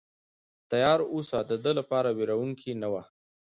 تیاره اوس د ده لپاره وېروونکې نه وه.